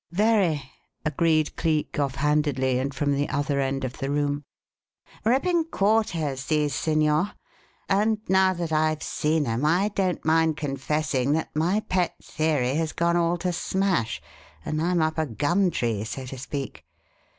"Very," agreed Cleek off handedly and from the other end of the room. "Rippin' quarters, these, signor; and now that I've seen 'em I don't mind confessing that my pet theory has gone all to smash and I'm up a gum tree, so to speak.